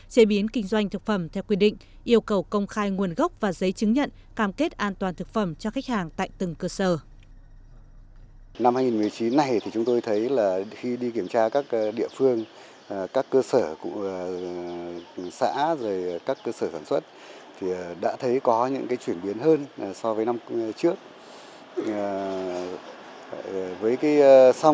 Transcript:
chế biến kinh doanh thực phẩm theo quy định yêu cầu công khai nguồn gốc và giấy chứng nhận cam kết an toàn thực phẩm cho khách hàng tại từng cơ sở